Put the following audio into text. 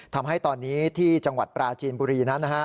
ทำให้ตอนนี้ที่จังหวัดปราจีนบุรีนั้น